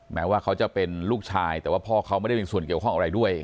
แม้ว่าเขาจะเป็นลูกชายแต่ว่าพ่อเขาไม่ได้มีส่วนเกี่ยวข้องอะไรด้วย